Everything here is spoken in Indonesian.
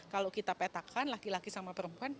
kalau kita petakan laki laki sama perempuan